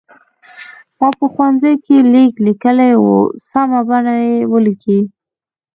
ما په ښوونځي کې لیک لیکلی و سمه بڼه ولیکئ.